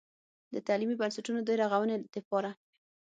د تعليمي بنسټونو د رغونې دپاره